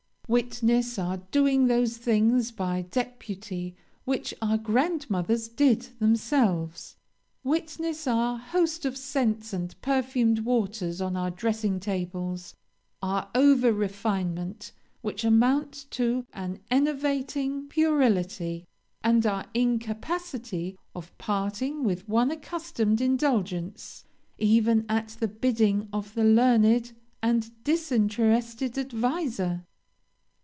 Witness our doing those things by deputy which our grandmothers did themselves; witness our host of scents and perfumed waters on our dressing tables; our over refinement, which amounts to an enervating puerility, and our incapacity of parting with one accustomed indulgence, even at the bidding of the learned and disinterested adviser?